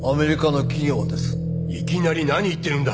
いきなり何言ってるんだ！